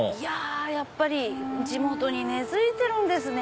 やっぱり地元に根付いてるんですね